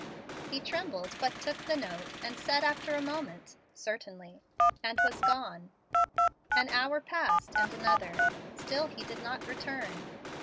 He trembled, but took the note, and said, after a moment, "Certainly," and was gone. An hour passed, and another; still he did not return.